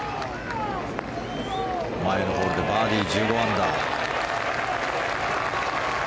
前のホールでバーディー、１５アンダー。